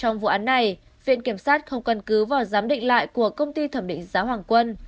trong vụ án này viện kiểm sát không căn cứ vào giám định lại của công ty thẩm định giá hoàng quân